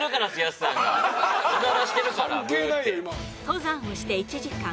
登山をして１時間。